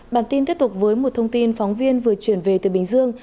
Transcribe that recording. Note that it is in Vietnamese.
bản tin tiếp tục với một thông tin phóng viên vừa chuyển về từ bình dương